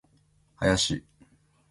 林